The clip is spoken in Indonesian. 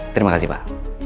terima kasih pak